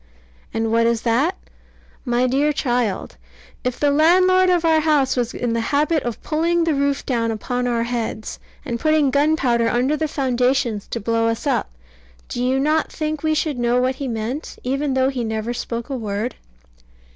And what is that? My dear child, if the landlord of our house was in the habit of pulling the roof down upon our heads, and putting gunpowder under the foundations to blow us up, do you not think we should know what he meant, even though he never spoke a word?